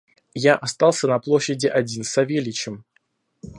Я остался на площади один с Савельичем.